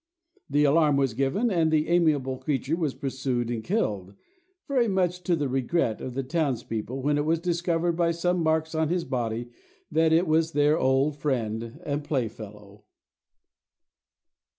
The alarm was given, and the amiable creature was pursued and killed,—very much to the regret of the townspeople, when it was discovered by some marks on his body that it was their old friend and playfellow.